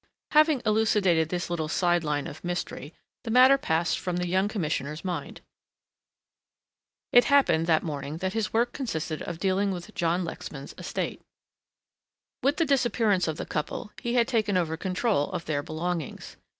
Having elucidated this little side line of mystery, the matter passed from the young Commissioner's mind. It happened that morning that his work consisted of dealing with John Lexman's estate. With the disappearance of the couple he had taken over control of their belongings.